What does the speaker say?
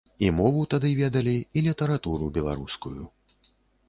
І мову тады ведалі, і літаратуру беларускую.